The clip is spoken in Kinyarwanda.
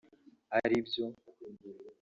aribyo